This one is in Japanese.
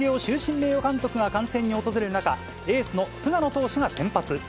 名誉監督が観戦に訪れる中、エースの菅野投手が先発。